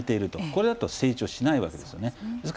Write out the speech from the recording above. これだと成長しないわけですよね。